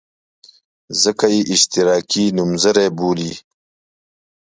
ځکه یې اشتراکي نومځري بولي.